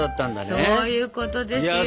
そういうことですよ。